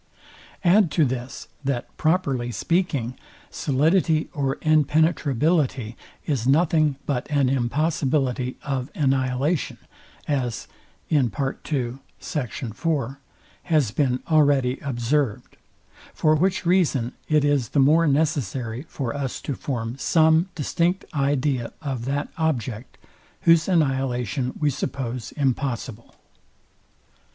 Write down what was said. Add to this, that, properly speaking, solidity or impenetrability is nothing, but an impossibility of annihilation, as has been already observed: For which reason it is the more necessary for us to form some distinct idea of that object, whose annihilation we suppose impossible.